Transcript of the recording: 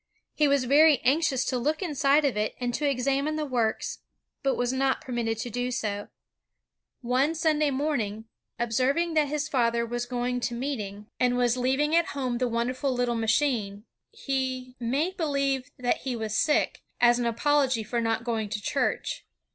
He was very anxious to look inside of it and to examine tha^rorks, but was not permitted to do so. One Sunday morning, observing that his father was going to meeting, and was Io8 INVENTIOMS OF MANUFACTURE AND PRODUCTION leaving at home the wonderful little maxrhine, he ... made believe that he was sick, as an apology for not going to church.